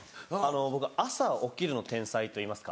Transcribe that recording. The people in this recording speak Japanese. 僕朝起きるの天才といいますか。